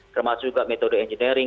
termasuk juga metode engineering